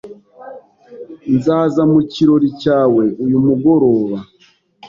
Nzaza mu kirori cyawe uyu mugoroba.